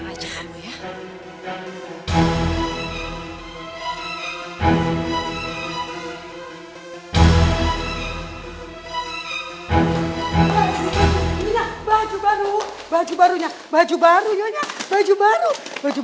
baiklah yang lainnya saya tidak mau saya beri